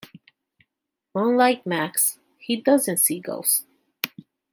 Unlike Max, he doesn't see ghosts.